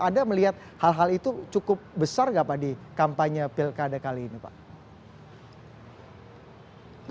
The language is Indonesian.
anda melihat hal hal itu cukup besar nggak pak di kampanye pilkada kali ini pak